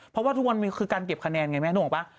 เพราะว่าทุกวันมันคือการเก็บคะแนนไงแม่นึกออกป่ะ